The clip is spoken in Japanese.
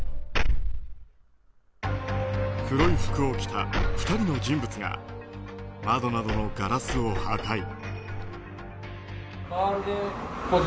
黒い服を着た２人の人物が窓などのガラスを破壊。